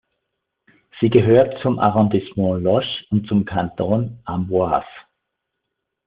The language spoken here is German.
Sie gehört zum Arrondissement Loches und zum Kanton Amboise.